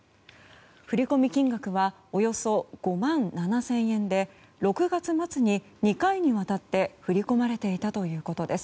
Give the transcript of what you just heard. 振込金額はおよそ５万７０００円で６月末に２回にわたって振り込まれていたということです。